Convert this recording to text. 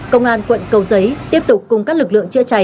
công an quận cầu giấy tiếp tục cung cắt lực lượng chữa cháy